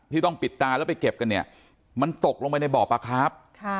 ที่ต้องปิดตาแล้วไปเก็บกันเนี่ยมันตกลงไปในบ่อปลาครับ